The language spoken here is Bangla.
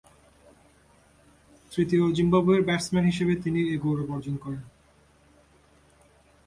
তৃতীয় জিম্বাবুয়ের ব্যাটসম্যান হিসেবে তিনি এ গৌরব অর্জন করেন।